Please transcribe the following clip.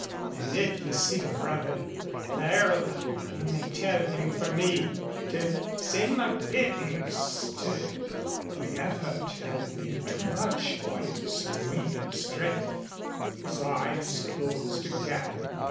An' if ye see my brother, the Earl, ye may tell him for me to send my pittance to " The effort had been too much for his waning strength. His eyes closed again.